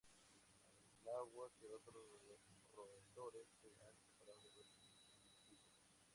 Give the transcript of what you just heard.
Al igual que otros roedores, se han separado de los incisivos.